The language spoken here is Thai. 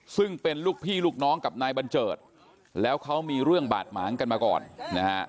ซึ่งเป็นลูกพี่ลูกน้องกับนายบัญเจิดแล้วเขามีเรื่องบาดหมางกันมาก่อนนะฮะ